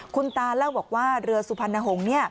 คุณตาเล่าบอกว่าเรือสุพรรณหงษ์